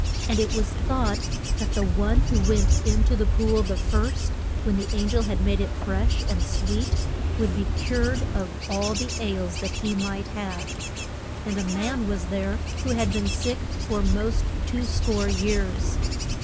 And it was thought that the one who went in to the pool the first, when the an gel had made it fresh and sweet, would be cured of all the ails that he might have. [Illustration: THE POOL OF BE THES DA.] And a man was there who had been sick for most two score years.